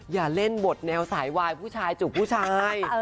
อย่าเล่นบทแนวสายวายผู้ชายจุกผู้ชาย